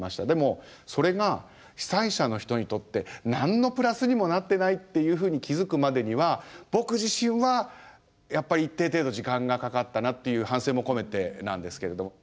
でもそれが被災者の人にとって何のプラスにもなってないっていうふうに気付くまでには僕自身はやっぱり一定程度時間がかかったなっていう反省も込めてなんですけれども。